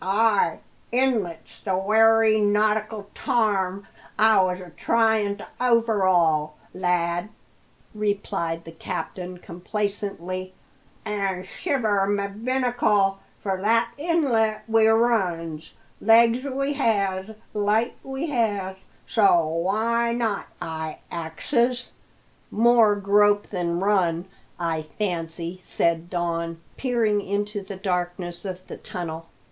"Ay, inlet's the wery nautical tarm I was a tryin' to overhaul, lad," replied the captain complacently. "An' shiver my binnacle! for that inlet we runs. Legs we has, light we has! so why not? I axes." "More grope than run, I fancy," said Don, peering into the darkness of the tunnel.